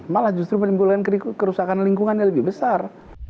malah justru menimbulkan kerusakan lingkungan yang lebih besar